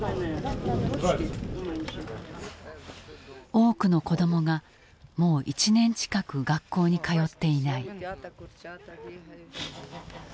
多くの子どもがもう１年近く学校に通っていない。